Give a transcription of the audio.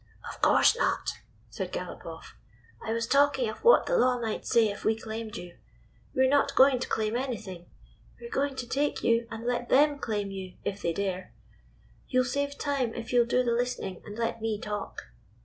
"Of course not," said Galopoff. "I was talking of what the law might say if we claimed you. We 're not going to claim anything. We are going to take you, and let them claim you if they dare. You 'll save time if you 'll do the listening and let me talk."